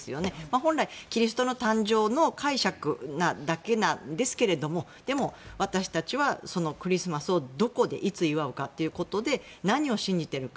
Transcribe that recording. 本来、キリストの誕生の解釈だけなんですがでも、私たちはクリスマスをどこで祝うかということで何を信じているか。